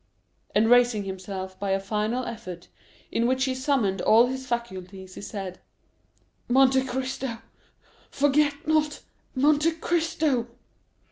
And raising himself by a final effort, in which he summoned all his faculties, he said,—"Monte Cristo, forget not Monte Cristo!"